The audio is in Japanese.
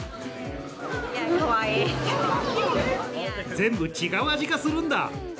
全部違う味がするんだ。